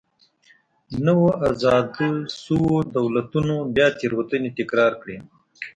نویو ازاد شویو دولتونو بیا تېروتنې تکرار کړې.